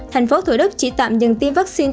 thành phố thủ đức chỉ tạm dừng tiêm vaccine